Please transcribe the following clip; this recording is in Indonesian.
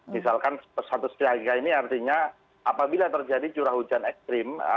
misalkan status siaga ini artinya apabila terjadi curah hujan ekstrim